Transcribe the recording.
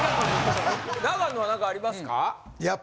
永野は何かありますか？